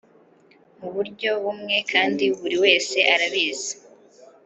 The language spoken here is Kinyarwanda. muburyo bumwe, kandi buriwese arabizi